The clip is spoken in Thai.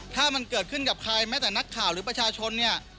ถ้ามันเกิดขึ้นกับใครแม้แต่นักข่าวหรือประชาชนเนี่ย